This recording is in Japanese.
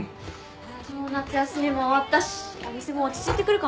夏休みも終わったしお店も落ち着いてくるかもね。